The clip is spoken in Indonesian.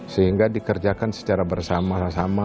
sehingga dikerjakan secara bersama sama